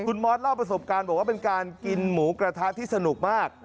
คุณมอสเล่าประสบการณ์บอกว่าเป็นการกินหมูกระทะที่สนุกมาก